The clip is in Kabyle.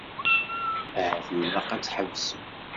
Ahat ilaq ad tḥebsem.